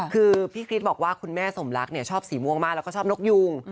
คือพี่คริสบอกว่าคุณแม่สมรักชอบสีม่วงมากแล้วก็ชอบนกยุง